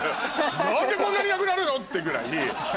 「何でこんなになくなるの⁉」ってぐらい。